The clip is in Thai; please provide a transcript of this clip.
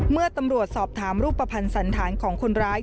เมื่อตำรวจสอบถามรูปภัณฑ์สันธารของคนร้าย